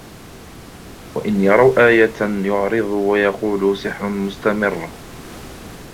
وَإِنْ يَرَوْا آيَةً يُعْرِضُوا وَيَقُولُوا سِحْرٌ مُسْتَمِرٌّ